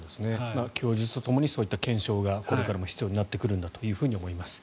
供述とともにそういった検証がこれから必要になってくると思います。